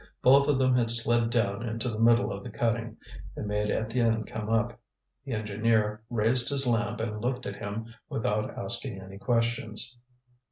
Both of them had slid down into the middle of the cutting. They made Étienne come up. The engineer raised his lamp and looked at him without asking any questions.